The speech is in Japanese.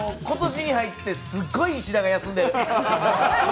今年に入って、すごい石田が休んでる。